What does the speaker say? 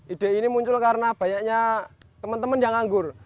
ide ini muncul karena banyaknya teman teman yang nganggur